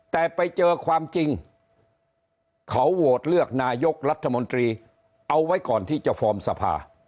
แต่ไปเจอความจริงเขาโหวตเลือกนายกรัฐมนตรีเอาไว้ก่อนที่จะฟอร์มสภา